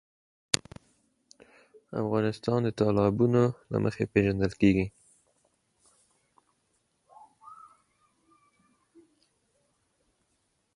افغانستان د تالابونه له مخې پېژندل کېږي.